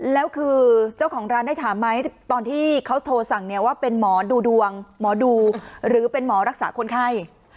แล้วคือเจ้าของร้านได้ถามไหมตอนที่เขาโทรสั่งเนี่ยว่าเป็นหมอดูดวงหมอดูหรือเป็นหมอรักษาคนไข้